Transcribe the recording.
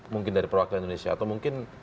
mungkin dari perwakilan indonesia atau mungkin